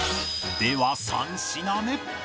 では３品目